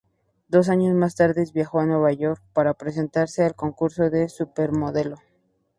Dos años más tarde viajó a Nueva York para presentarse al concurso de Supermodelo.